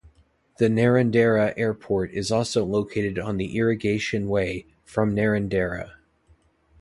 The Narrandera Airport is also located on the Irrigation Way, from Narrandera.